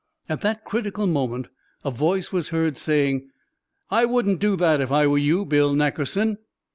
At that critical moment a voice was heard, saying: "I wouldn't do that, if I were you, Bill Nackerson!"